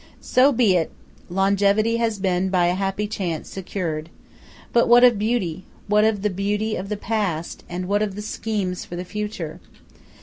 So be it! Longevity has been, by a happy chance, secured. But what of beauty? What of the beauty of the past, and what of the schemes for the future?